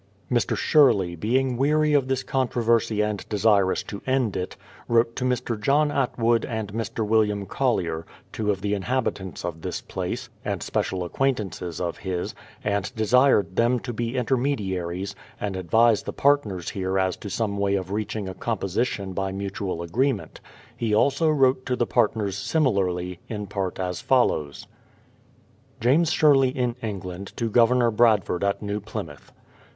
Mr, Sherley being weary of this controversy and desirous to end it, wrote to Mr. John Atwood and Mr. WiUiam Col lier, two of the inhabitants of this place, and special ac quaintances of his, and desired them to be' intermediaries, and advise the partners here as to some way of reaching a composition by mutual agreement. He also wrote to the partners similarly, in part as follows : James Sherley in England to Governor Bradford at New Plymouth